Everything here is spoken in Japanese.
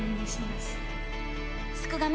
すくがミ